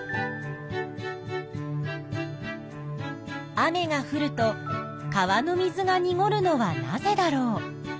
雨がふると川の水がにごるのはなぜだろう？